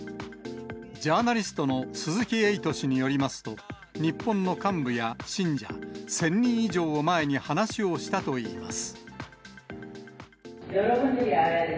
ジャーナリストの鈴木エイト氏によりますと、日本の幹部や信者、１０００人以上を前に話をしたといいます。